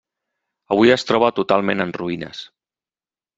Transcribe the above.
Avui es troba totalment en ruïnes.